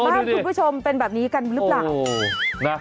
บ้านคุณผู้ชมเป็นแบบนี้กันหรือเปล่า